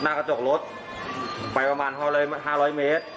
หน้ากระจกรถไปประมาณห้อหลายห้าร้อยเมตร